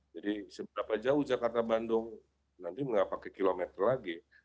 jadi seberapa jauh jakarta bandung nanti mengapa pakai kilometer lagi